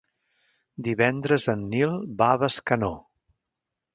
Divendres en Nil va a Bescanó.